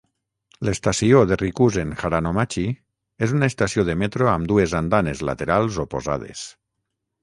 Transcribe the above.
L'estació de Rikuzen-Haranomachi és una estació de metro amb dues andanes laterals oposades.